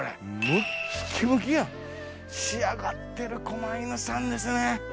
ムッキムキやん仕上がってる狛犬さんですね。